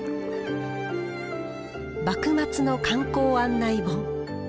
幕末の観光案内本。